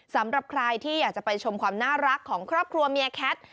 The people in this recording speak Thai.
สำหรับใครที่อยากจะไปชมความน่ารักของครอบครัวเมียแคท